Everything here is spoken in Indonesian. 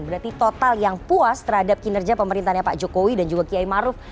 berarti total yang puas terhadap kinerja pemerintahnya pak jokowi dan juga kiai maruf